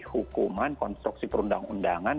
hukuman konstruksi perundang undangan